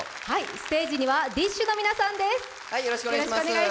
ステージにはＤＩＳＨ／／の皆さんです。